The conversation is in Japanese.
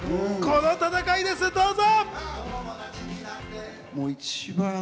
この戦いです、どうぞ！